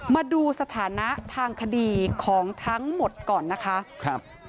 มาดูสถานะทางคดีของทั้งหมดก่อนนะคะครับ